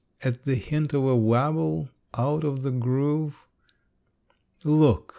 At the hint of a wabble out of the groove, Look!